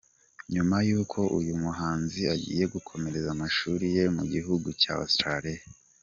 Nyuma y’uko uyu muhanzi Agiye gukomereza amashuli ye mu gihugu cya Australie.